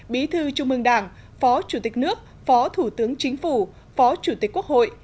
bí thư trung ương đảng phó chủ tịch nước phó thủ tướng chính phủ phó chủ tịch quốc hội